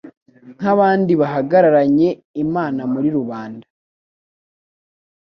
Nk'abandi bahagaranye Imana muri rubanda,